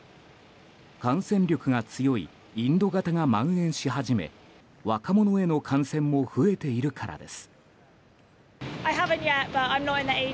感染力が強いインド型がまん延し始め若者への感染も増えているからです。